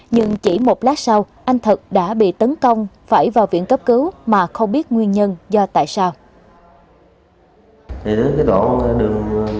nhưng chỉ một lát sau anh thật đã bị tấn công phải vào viện cấp cứu mà không biết nguyên nhân do tại sao